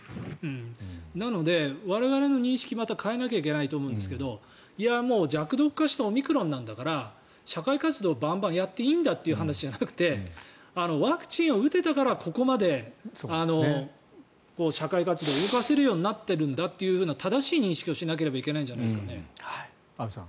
なので我々の認識をまた変えないといけないと思うんですがもう弱毒化したオミクロンなんだから社会活動をバンバンやっていいんだという話じゃなくてワクチンを打てたからここまで社会活動を動かせるようになっているんだという正しい認識をしなければいけないんじゃないですかね。